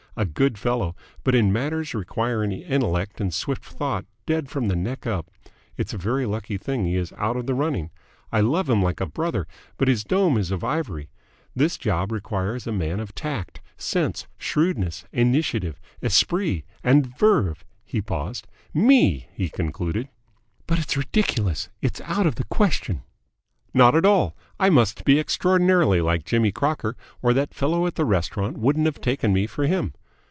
A good fellow, but in matters requiring intellect and swift thought dead from the neck up. It's a very lucky thing he is out of the running. I love him like a brother, but his dome is of ivory. This job requires a man of tact, sense, shrewdness, initiative, esprit, and verve." He paused. "Me!" he concluded. "But it's ridiculous! It's out of the question!" "Not at all. I must be extraordinarily like Jimmy Crocker, or that fellow at the restaurant wouldn't have taken me for him.